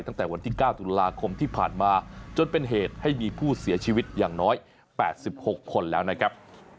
ตั้งแต่วันที่๙ตุลาคมที่ผ่านมาจนเป็นเหตุให้มีผู้เสียชีวิตอย่างน้อย๘๖คนแล้วนะครับ